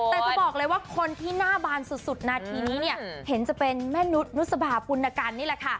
แต่จะบอกเลยว่าคนที่หน้าบานสุดนาทีนี้เนี่ยเห็นจะเป็นแม่นุษนุษบาปุณกันนี่แหละค่ะ